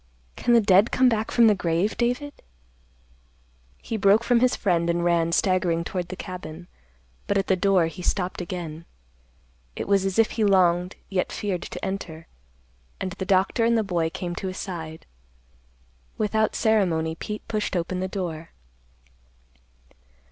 Can the dead come back from the grave, David?" He broke from his friend and ran staggering toward the cabin; but at the door he stopped again. It was as if he longed yet feared to enter, and the doctor and the boy came to his side. Without ceremony Pete pushed open the door.